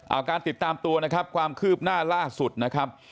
เอาการติดตามตัวนะครับความคืบหน้าล่าสุดนะครับ